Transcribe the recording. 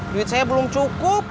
duit saya belum cukup